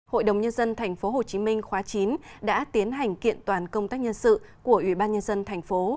hội đồng nhân dân tp hcm khóa chín đã tiến hành kiện toàn công tác nhân sự của ủy ban nhân dân thành phố